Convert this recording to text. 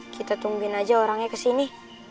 kita tungguin aja orangnya kesini